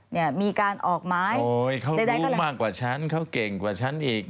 เนี่ยมีการออกไม้โอ้ยเขารู้มากกว่าฉันเขาเก่งกว่าฉันอีก